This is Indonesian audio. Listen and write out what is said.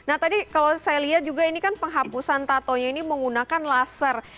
nah tadi kalau saya lihat juga ini kan penghapusan tatonya ini menggunakan laser